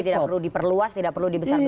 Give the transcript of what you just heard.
jadi tidak perlu diperluas tidak perlu dibesarkan